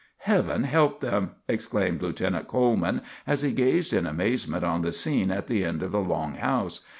"Heaven help them!" exclaimed Lieutenant Coleman, as he gazed in amazement on the scene at the end of the long house.